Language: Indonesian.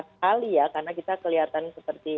sekali ya karena kita kelihatan seperti